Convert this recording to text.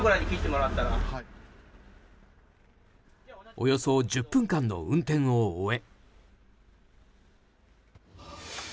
およそ１０分間の運転を終え。